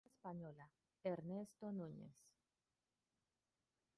Guitarra española: Ernesto Nuñez.